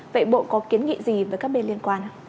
vậy bộ có kiến nghị gì với các bên liên quan ạ